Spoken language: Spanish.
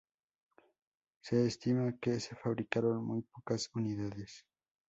Se estima que se fabricaron muy pocas unidades.